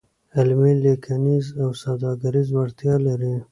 علمي، لیکنیز او سوداګریز وړتیا لري.